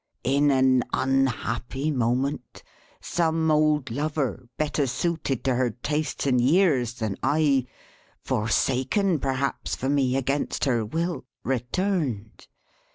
In an unhappy moment some old lover, better suited to her tastes and years than I; forsaken, perhaps, for me, against her will; returned.